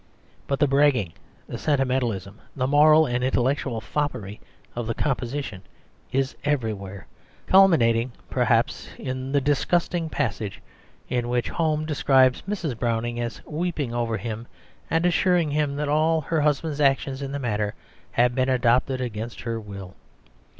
But the bragging, the sentimentalism, the moral and intellectual foppery of the composition is everywhere, culminating perhaps in the disgusting passage in which Home describes Mrs. Browning as weeping over him and assuring him that all her husband's actions in the matter have been adopted against her will.